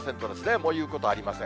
もう言うことありません。